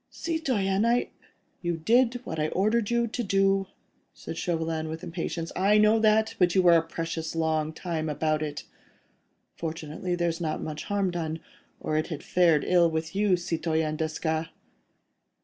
"Citoyen ... I ..." "You did what I ordered you to do," said Chauvelin, with impatience. "I know that, but you were a precious long time about it. Fortunately, there's not much harm done, or it had fared ill with you, Citoyen Desgas."